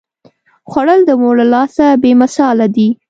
خوړل د مور له لاسه بې مثاله دي